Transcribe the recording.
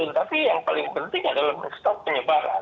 tapi yang paling penting adalah mencetak penyimbaran